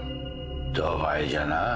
ドバイじゃなぁ。